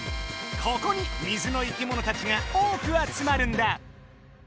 ここに水の生きものたちが多くあつまるんだ。